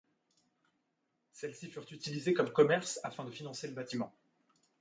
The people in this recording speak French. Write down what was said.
Celles-ci furent utilisées comme commerces afin de financer le bâtiment.